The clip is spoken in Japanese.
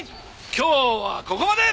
今日はここまで！